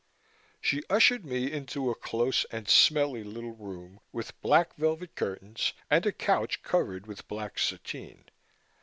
She ushered me into a close and smelly little room, with black velvet curtains and a couch covered with black sateen.